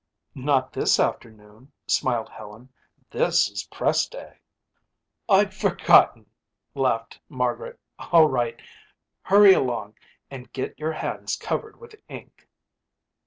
"Not this afternoon," smiled Helen, "this is press day." "I'd forgotten," laughed Margaret. "All right, hurry along and get your hands covered with ink."